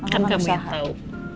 kan kamu yang tau